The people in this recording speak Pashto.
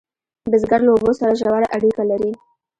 بزګر له اوبو سره ژوره اړیکه لري